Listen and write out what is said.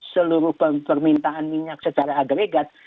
seluruh permintaan minyak secara agregat